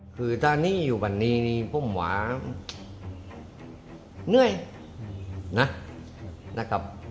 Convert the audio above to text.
คือถ้านี่อยู่วันนี้นี่ผมหวังเหนื่อยนะครับ